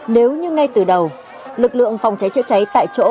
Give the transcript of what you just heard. nếu như ngay từ đầu lực lượng phòng cháy chữa cháy tại chỗ